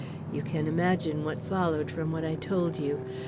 You can imagine what followed from what I told you.